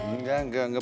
enggak enggak enggak